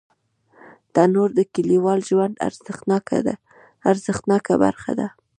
تنور د کلیوالو ژوند ارزښتناکه برخه ده